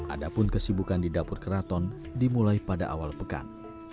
adapun kesibukan di dapur keraton dimulai pada awal pekan